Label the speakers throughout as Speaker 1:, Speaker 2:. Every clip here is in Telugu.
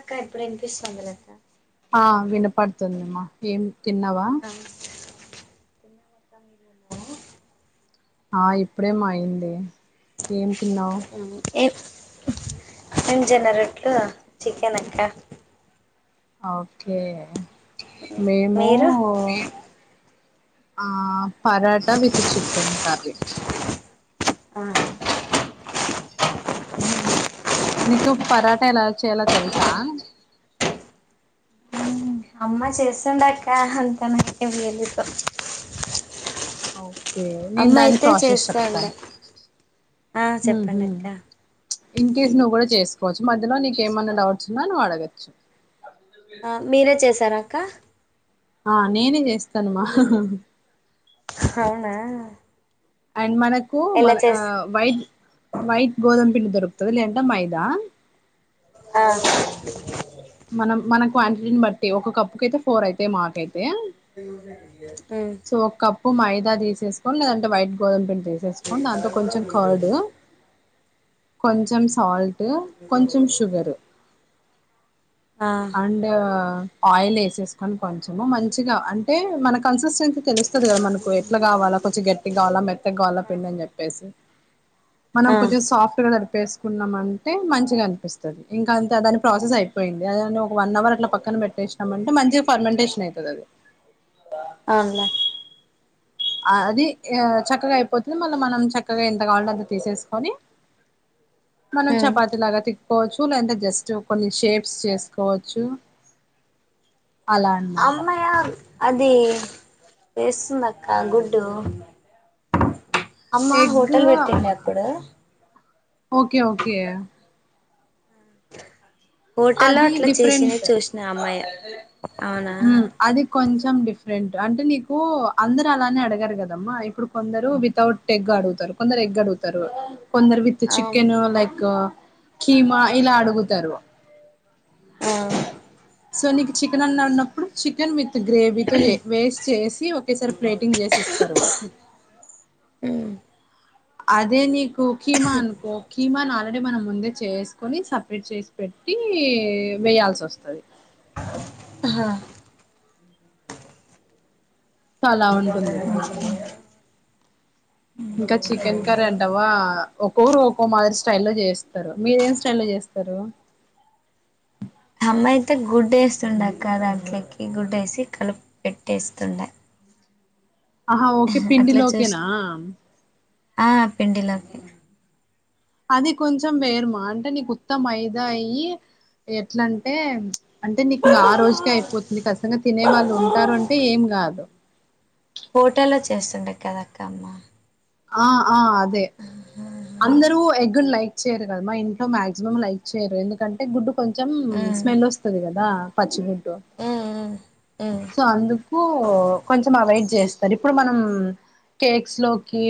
Speaker 1: అక్క ఇప్పుడు ఇనిపిస్తందిలే అక్క
Speaker 2: ఆ వినపడుతుంది అమ్మా ఏం తిన్నావా
Speaker 1: చిన్న [unintelligible] ఏమో
Speaker 2: ఆ ఇప్పుడేమో అయింది ఏం తిన్నావు
Speaker 1: అవును ఏం మేం రొట్లు చికెన్ అక్క
Speaker 2: ఓకే మేము
Speaker 1: మీరు
Speaker 2: ఆ పరాట విత్ చికెన్ కర్రీ
Speaker 1: ఆ
Speaker 2: నీకు పరాటా ఎలా చేయాలో తెలుసా
Speaker 1: ఉ అమ్మా చేస్తుందక్కా అంత నాకేం తెలీదు
Speaker 2: అవ్ ఏ నేను దాన్ని ప్రాసెస్
Speaker 1: చేస్తాండే
Speaker 2: చెప్తాను
Speaker 1: ఆ చెప్పండి
Speaker 2: ఊహు
Speaker 1: అక్క
Speaker 2: ఇన్ కేస్ నువ్వు కూడా చేసుకోవచ్చు మధ్యలో నీకేమన్నా డౌట్స్ ఉన్నా నువ్వు అడగచ్చు
Speaker 1: ఆ మీరే చేసారా అక్క
Speaker 2: ఆ నేనే చేస్తానుమా
Speaker 1: అవునా
Speaker 2: అండ్ మనకు
Speaker 1: ఎలా
Speaker 2: మన ఆ
Speaker 1: చేస్
Speaker 2: వైట్ వైట్ గోధుమ్ పిల్ దొరుకుతది లేదంటే మైదా
Speaker 1: ఆ
Speaker 2: మనం మన క్వాంటిటీని బట్టి ఒక కప్పుకి అయితే ఫోర్ అయితే మాకైతే
Speaker 1: నువ్వే ఈయాలి
Speaker 2: సో ఒక కప్పు మైదా తీసేసుకొని లేదంటే వైట్ గోధుమ పిండి చేసేసుకని దాంతో కొంచెం కార్డు కొంచం సాల్ట్ ఊ కొంచం షుగరు
Speaker 1: ఆ
Speaker 2: అండ్ ఆయిల్ వేసేసుకొని కొంచము మంచిగా అంటే మన కన్సిస్టెన్సీ తెలుస్తది కదా మనకు ఎట్లా కావాలా కొంచెం గట్టి కావాలా మెత్త కావాలా పిండి అని చెప్పేసి మనం
Speaker 1: ఆ
Speaker 2: కొంచెం సాఫ్ట్ గా తడిపేస్ కున్నమంటే మంచిగా అనిపిస్తది ఇంకా అంత దాని ప్రాసెస్ అయిపోయింది ఇగ అదాన్ని ఒక వన్ అవర్ అట్లా పక్కన పెట్టేసినామంటే మంచిగా ఫర్మెంటేషన్ ఐతది అది
Speaker 1: అండ్ల
Speaker 2: అది ఆ చక్కగా అయిపోతది మళ్ళీ మనం చక్కగా ఎంత కావాల అంటె తీసేసుకొని
Speaker 1: అ
Speaker 2: మనం చపాతిలాగా తిక్ కోవచ్చు లేదంటే జస్ట్ కొన్ని షేప్స్ చేసుకోవచ్చు. అలా అన్నమాట
Speaker 1: అమ్మాయ అది వేస్తుందక్క గుడ్డు అమ్మా
Speaker 2: ఎగ్
Speaker 1: హోటల్ వెట్టుండే అపుడు
Speaker 2: ఓకే ఓకే
Speaker 1: హోటల్లో
Speaker 2: అది
Speaker 1: అట్లా చేసింది
Speaker 2: డిఫరెంట్
Speaker 1: చూసిన అమ్మాయి అవునా
Speaker 2: ఊ అది కొంచెం డిఫరెంట్ అంటే నీకు అందరు అలానే అడగారు కదమ్మా ఇప్పుడు కొందరు వితౌట్ ఎగ్ అడుగుతారు కొందరు ఎగ్ అడుగు తరు కొందరు విత్
Speaker 1: అవును
Speaker 2: చికెను లైక్ కీమా ఇలా అడుగుతారు
Speaker 1: ఆ
Speaker 2: సో నీకు చికెన్ అన్న ఉన్నప్పుడు చికెన్ మీ గ్రేవీతో చెయ్ వేస్ట్ చేసి ఒకేసారి ప్లేటింగ్ చేసిస్తారు అదే నీకు కిమా అనుకో కీమా అ అంటే మనం ముందే చేసుకొని సపరేట్ చేసి పెట్టి వేయాల్సి వస్తుది
Speaker 1: హ
Speaker 2: సో అలా ఉంటుంది
Speaker 1: [inaudible]
Speaker 2: ఇంకా చికెన్ కర్రీ అంటావా ఒక్కోరు ఒక్కో మాదిరి స్టైల్ లో చేస్తారు మీరు ఏం స్టైల్లో లో చేస్తారు
Speaker 1: హమ్మా అయితే గుడ్డు వేస్తుండ అక్క దాంట్లోకి గుడ్డు వేసి కలుపు పెెట్టేస్తుండ
Speaker 2: ఆహా ఓకే పిడిలో కేనా
Speaker 1: చూసిన ఆ పిడిలోకిే
Speaker 2: అది కొంచెం వేరుమా అంటే నీకు ఉత్త మైదా అయి ఎట్ల అంటే అంటే నీకు ఇంగ ఆ రోజుకే అయిపోతుంది ఖచ్చంగా తినే వాళ్ళు ఉంటారు అంటే ఏం కాదు
Speaker 1: హోటల్లో చేస్తుండది కదా అక్క అమ్మా
Speaker 2: ఆ ఆ అదే అందరుూ ఎగ్గున్ లైక్ చేయరు కదా మా ఇంట్లో మాక్సిమం లైక్ చేయరు ఎందుకంటే గుడ్డు కొంచెం
Speaker 1: ఉమ్
Speaker 2: స్మెల్ వస్తుంది కదా పచ్చి మిట్టో
Speaker 1: ఉమ్ ఉమ్
Speaker 2: సో అందుకు కొంచం అవాయిడ్ చేస్తారు ఇప్పుడు మనం కేక్స్ లోకి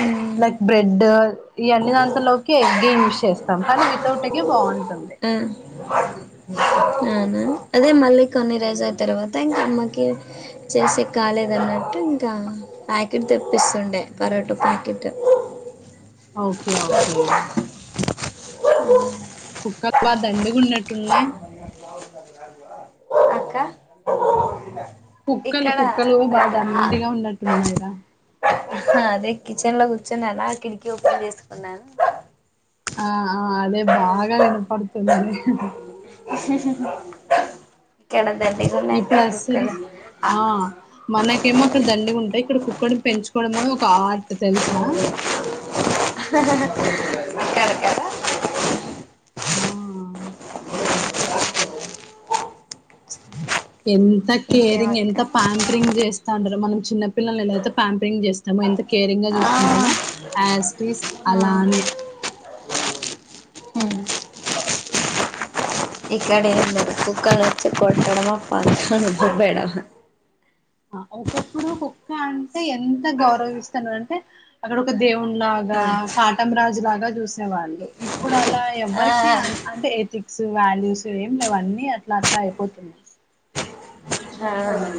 Speaker 1: ఉ
Speaker 2: లైక్ బ్రెడ్ ఇవన్ని దాంలోకి ఎగ్గే యూజ్ చేస్తాం కానీ వితౌట్ ఎగే బాగుంట
Speaker 1: ఉ అవునా అదే మళ్ళీ కొన్ని రోజులయి తర్వాత ఇంకా అమ్మకి చేసి కాలేదన్న టు ఇంకా ప్యాకెట్ తెప్పిస్తుండే పరోటా ప్యాకెట్
Speaker 2: ఓకే ఓకే
Speaker 1: ఉ
Speaker 2: కుక్క బ దండిగా ఉన్నట్టున్నాయి
Speaker 1: అక్క
Speaker 2: కుక్కలు
Speaker 1: ఇక్కడ
Speaker 2: కుక్కలు బా
Speaker 1: బయట
Speaker 2: దండిగా ఉన్నట్టున్నాయ్ రా
Speaker 1: హాదే కిచెన్ లో కూర్చుని అలా కిటికీ ఓపెన్ చేసుకున్నాను
Speaker 2: ఆ ఆ అదే బాగా వినపడుతుంది
Speaker 1: కేడ
Speaker 2: ఇప్పుడు అస్సలు ఆ మనకేమో అక్కడ దండిగ ఉంటాయి ఇక్కడ కుక్కడు పెంచుకోవడం కూడా ఒ క ఆర్ట్ తెలుసా
Speaker 1: ఎక్కడక్కద
Speaker 2: ఆ ఎంత కేరింగ్
Speaker 1: ఇంకేమక్క
Speaker 2: ఎంత పాంపరింగ్ చేస్ తాండ్రు మనం చిన్న పిల్లని ఎలాయితే పా్యాంపింగ్ చేస్తామో ఎంత కేరింగ్ గా
Speaker 1: ఆ
Speaker 2: చూసుకుంటామో యాస్ ఇట్ ఈస్
Speaker 1: ఆ
Speaker 2: అలానే
Speaker 1: ఇక్కడ ఏందో లే కుక్కల్ నీ వచ్చే కొట్టడమా పదా అని దొబ్బెడమా
Speaker 2: ఆ ఒకప్పుడు కుక్క అంటే ఎంత గౌరవిస్తన్నా అంటే అక్కడ ఒక దే ఉన్ లాగా కాటం రాజు జూ అలాగా చూసే వాళ్ళు ఇప్పుడు అలా
Speaker 1: ఆ
Speaker 2: ఎవ్వరికి అన్ అంటే ఎథిక్స్ వాల్యూస్ ఏం లేవు అన్ ని అట్లా అట్లా అయిపోతున్నాయి
Speaker 1: ఆ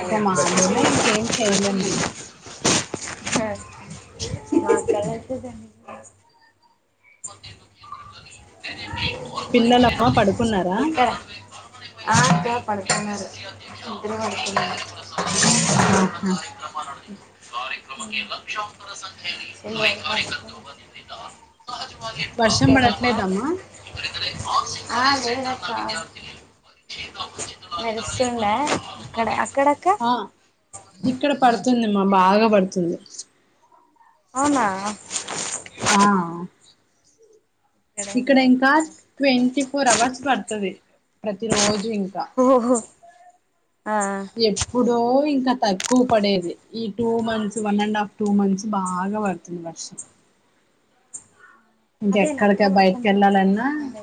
Speaker 2: ఇంకా మామూలే ఇంకేం చేయలేం మనం పిల్లలమ్మ పడు
Speaker 1: ఇక్కడ ఆ అక్క పడుకున్నారు ఇద్దరు పడుకున్నారు.
Speaker 2: ఆహా
Speaker 1: కార్యక్రమకి లక్షాంతర సంఖ్య కార్యకర్తప నిరు
Speaker 2: వర్షం
Speaker 1: ఓకే
Speaker 2: పడట్లేదమ్మా
Speaker 1: నాక్క ఆ నడుస్తుందా అక్కడ అక్కడక్క
Speaker 2: ఆ ఇక్కడ పడుకుంది మా బాగా పడుతుంది.
Speaker 1: అవునా
Speaker 2: ఆ
Speaker 1: ఏం
Speaker 2: ఇక్కడ ఇంకా
Speaker 1: లేదక్క
Speaker 2: ట్వంటీ ఫోర్ అవర్స్ పడ్తది ప్రతి రో జింక
Speaker 1: ఓహో ఆ.
Speaker 2: ఎప్పుడో ఇం ఇంకా తక్కువ్ పడేది ఈ two months one and half two months బాగా పడ్తుంది వర్షం
Speaker 1: అదే నా
Speaker 2: ఇంకెక్కడికి
Speaker 1: అక్క వర్షం
Speaker 2: బయటకి
Speaker 1: సౌండేనా
Speaker 2: వెళ్ళాలన్నా
Speaker 1: సౌండే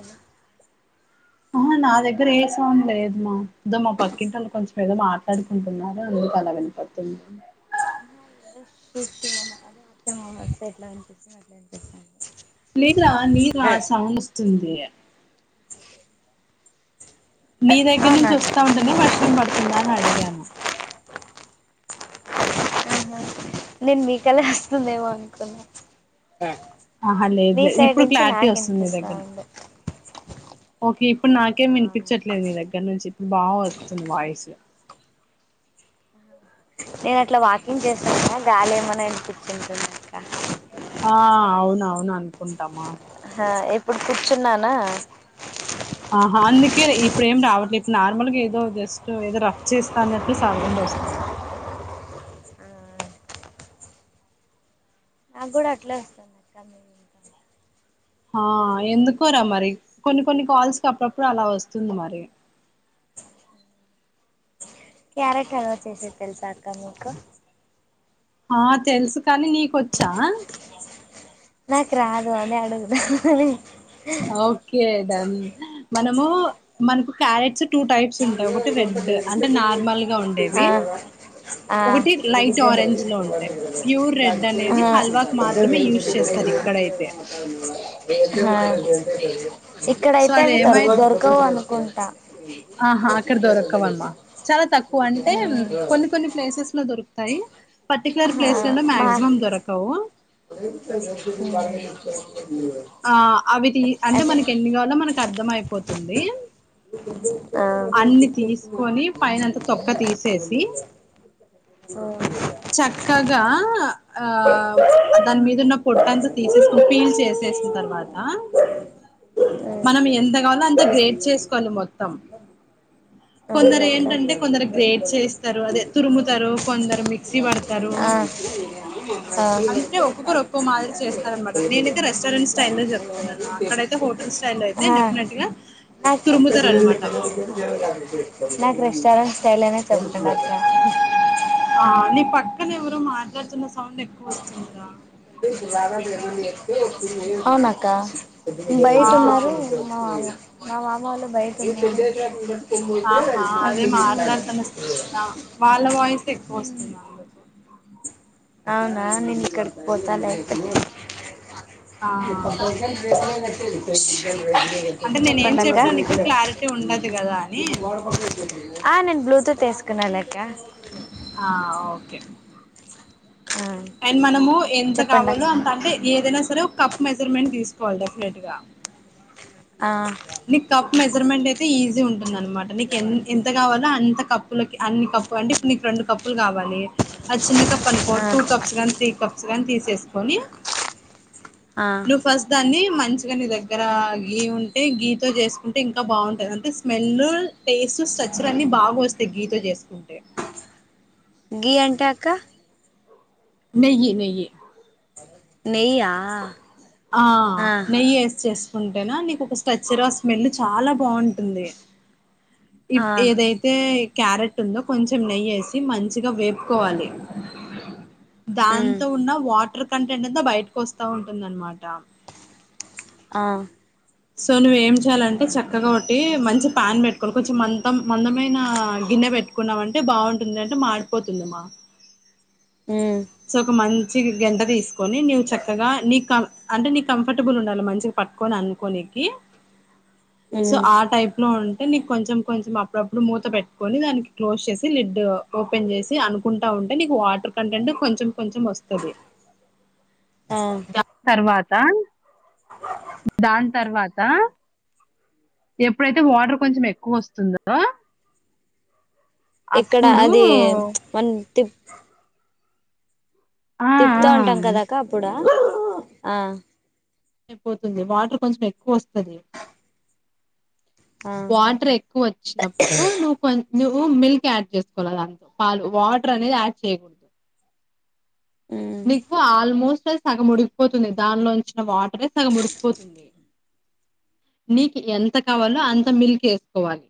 Speaker 2: ఆహా నా దగ్గర ఏ సౌండ్ లేదు మా గా మా పక్కింటోళ్ళు కొంచెం ఏదో మాట్లాడుకుంటున్నారు అందుకు అలాగా వినపడ్తుంది
Speaker 1: ఆహా ఏదో చూస్తున్నవ్ అదే వర్షము వస్తే ఎట్లా అనిపిస్తది అట్లా అనిపి
Speaker 2: లేదురా నీర్ ఆ సౌండ్ వస్తుంది నీ దగ్గర నుంచి వస్తా
Speaker 1: అవునక్క
Speaker 2: ఉంటేనే వర్షం పడుతుందా అని అడిగాను
Speaker 1: ఆహా నేన్ మీకెలె వస్తుందేమో అనుకున్నా
Speaker 2: ఆహా లేదు
Speaker 1: మీ
Speaker 2: లేదు
Speaker 1: సైడ్
Speaker 2: ఇప్పుడు
Speaker 1: నుంచి
Speaker 2: క్లారిటీ
Speaker 1: నాకు
Speaker 2: వస్తుంది నీ
Speaker 1: వినిపిస్తా
Speaker 2: దగ్గర
Speaker 1: ఉంది
Speaker 2: ఓకే ఇప్పుడు నాకేం వినిపించట్లేదు నీ దగ్గర్ నుంచి బావుస్తుంది వాయిసు
Speaker 1: నేను అట్లా వాకింగ్ చేస్తాను గాలి ఏమన్న వినిపించి ఉంటుంది అక్క
Speaker 2: ఆ అవునవును అనుకుంటామా
Speaker 1: సరే ఇప్పుడు కూర్చున్నానా
Speaker 2: ఆహా అందుకే ఇప్పుడేం రావట్లేద్ ఇప్పుడు నార్మల్ గా ఏదో జస్ట్ ఏదో రఫ్ చేస్తాన్నట్లు సౌండు వస్తి
Speaker 1: నాగుడా అట్లే వస్తుందక్క
Speaker 2: ఆ ఎందుకోరా మరి కొన్ని కొన్ని కాల్స్ కి అప్పుడప్పుడు అలా వస్తుంది మరి
Speaker 1: క్యారెట్ హాల్వా చేసేది తెలుసా అక్క మీకు
Speaker 2: ఆ తెలుస్ కాని నీకొచ్చా
Speaker 1: నాక్ రాదు అదే అడుగుదమని
Speaker 2: ఓకే డన్ మనము మనకు క్యారెట్స్ టూ టైప్స్ ఉంటయి ఒకటి రెడ్ అంటే నార్మల్ గా ఉండేవి
Speaker 1: ఆ ఆ
Speaker 2: ఒకటి లైట్ ఆరెంజ్ లో ఉంటయి ప్యూర్ రెడ్ అనేది హల్వాక్ మాత్రమే యూజ్ చేస్తార్ సో
Speaker 1: ఇక్కడయితే
Speaker 2: అది
Speaker 1: అవి
Speaker 2: ఏమై
Speaker 1: దొరకవు అనుకుంటా
Speaker 2: ఆహా అక్కడ దొరకవమ్మా చాలా తక్కువంటే కొన్ని కొన్ని ప్లేసెస్ లో దొరుక్తాయి పట్టిక్లేర్
Speaker 1: ఆ,
Speaker 2: ప్లేస్లలో
Speaker 1: మా
Speaker 2: మాక్సిిమం దొరకవు ఆ అవిటియి అంటే
Speaker 1: అదే
Speaker 2: మనకెన్ని కావాలో మనకార్థం అయిపోతుంది.
Speaker 1: ఆ
Speaker 2: అన్ని తీసుకొని పైన అంతా తొక్క తీసేసి
Speaker 1: ఆ
Speaker 2: చక్కగా ఆ అ దాని మీద ఉన్న పొట్ట అంతా తీసేసుకొని పీల్ చేసేసిన తర్వాత మనం ఎంత కావాలో అంత గ్రేడ్ చేసుకోవాలి మొత్తం కొందరు
Speaker 1: అవునక్క
Speaker 2: ఏంటంటే కొందరు గ్రేట్ చేస్తారు అదే తురుముతారు కొందరు మి మిక్సీ వాడుతారు
Speaker 1: ఆ
Speaker 2: అంటే ఒక్కొక్కరు ఒక్కో మాదిరీ చేస్తారన్నమాట నేనైతే రెస్టారెంట్ స్టైల్ లో చెప్తున్నాను అక్కడైతే హోటల్ స్టైల్ లో అయితే
Speaker 1: ఆ ఆ
Speaker 2: డెఫినెట్గా
Speaker 1: [unintelligible] నాకు రెస్టారెంట్ స్టైల్ ఏయ్ నచ్చదు అక్క
Speaker 2: కానీ ఎవరో మాట్లాడుతూ
Speaker 1: అవునా అక్క బయట
Speaker 2: ఆ
Speaker 1: ఉన్నారు మా మామ మా మామ వాళ్ళు బయట ఉన్నారు
Speaker 2: ఆహా అదే మాట్లాడతాన సే ఆ వాళ్ళ వాయిస్ ఏయ్ ఎక్కువ వస్తున్నది
Speaker 1: అవునా నిన్ ఇక్కడకి పోతాలే అయితే [unintelligible]
Speaker 2: ఆ అంటే నేనేం
Speaker 1: చెప్పండి అక్క
Speaker 2: చెప్పినా నీకు క్లారిటీ ఉండదు కదా అని
Speaker 1: ఆ నేను బ్లూటూత్ వేసుకున్న లే
Speaker 2: ఆ ఓకే
Speaker 1: ఆ
Speaker 2: అండ్ మనము ఎంత
Speaker 1: చెప్పండి అక్
Speaker 2: కావాలో అంత అంటే ఏదైనా సరే ఒక కప్ మెజర్మెంట్ తీసుకోవాలి డెఫినెట్ గా
Speaker 1: ఆ
Speaker 2: నీ కప్ మెజర్మెంట్ అయితే ఈజీ ఉంటుంది అన్నమాట నీకు ఎ ఎంత కావాలో అంత కప్పు లోకి అన్ని కప్పులు అంటే ఇప్పుడు నీకు రెండు కప్పులు కావాలి ఆ చిన్న కప్ పనిపోర్
Speaker 1: ఆ
Speaker 2: టూ కప్స్ కాగాని త్రీ కప్స్ గాని తీసేసుకొని
Speaker 1: ఆ
Speaker 2: నువ్వు ఫస్ట్ దాన్ని మంచిగా నీ దగ్గర గీ ఉన్ ఎ గీతో చేసుకుంటే ఇంకా బాగుంటంది అంటే స్మెల్ టేస్ట్ స్ట్రచర్ అన్ని బాగా వస్ తే గీ తో చేసుకుంటే
Speaker 1: గీ అంటే అక్క
Speaker 2: నెయ్యి
Speaker 1: అ
Speaker 2: ఆ నెయ్యి అసి చేస్ కుంటే నా నీకు ఒక స్ట్రక్చర్ ఆ స్మెల్ చాలా బాగుంటుంది
Speaker 1: ఆ
Speaker 2: ఇప్ ఏదైతే క్యారెట్ ఉందో కొంచెం నెయ్యి వేసి మంచిగా వేపుకోవాలి
Speaker 1: ఉమ్
Speaker 2: దాంతో ఉన్న వాటర్ కంటెంట్ అంతా బయటకు వస్తా ఉంటుంది అన్నమాట
Speaker 1: ఆ
Speaker 2: సో నువ్వు ఏం చేయాలంటే చక్కగా ఉ టి మంచి పాన్ పెట్టుకోవాలి కొంచెం మంట మందమైన గిన్నె పెట్టుకున్నాం అంటే బాగుంటుంది అంటే మాడి పోతుంది అమ్మ
Speaker 1: ఉమ్
Speaker 2: సో ఒక మన్ చిగి గెంట తీసుకొని నీవు చక్కగా నీ క అంటే నీ కంఫర్టబుల్ ఉండాలి మంచిగా పట్టుకొని అనుకోని కీ సో
Speaker 1: ఉమ్
Speaker 2: ఆ టైప్ లో ఉన్ అంటే నీకు కొంచెం కొంచెం అప్పుడప్పుడు మూత పెట్టుకొని దానికి క్లోజ్ చేసి లిడ్ ఓపెన్ చేసి అనుకుంటా ఉన్ అంటే నీకు వాటర్ కంటెంట్ కొం కొంచెం అస్తది.
Speaker 1: ఆ
Speaker 2: దాని తర్వాత దాన్ తర్వాత ఎప్పుడైతే, వాటర్ కొంచెం ఎక్కువ ఓస్తుందో
Speaker 1: ఇక్కడ
Speaker 2: అప్పుడు
Speaker 1: అది మనం తిప్
Speaker 2: ఆ ఆ
Speaker 1: తిప్తా ఉంటాం కదా అక్క అప్పుడా, ఆ
Speaker 2: అయిపోతుంది, వాటర్ కొంచెం ఎక్కువ ఓస్తది.
Speaker 1: ఆ
Speaker 2: వాటర్ ఎక్కువ ఓచ్చినప్పుడు, నువ్ కొన్ నువ్వు మిల్క్ యాడ్ చేసుకోవాలి దాంతో పాలు, వాటర్ అనేది యాడ్ చేయకూడదు.
Speaker 1: ఉమ్
Speaker 2: సే సగం ఉడికిపోతుంది, దానిలో ఉంచిన వాటరే సగం ఉడికిపోతుంది. నీకి ఎంత కావాలో, అంత మిల్క్ ఎస్కోవాలి.